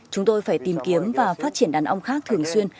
chúng tôi phải tìm kiếm và phát triển đàn ong khác thường xuyên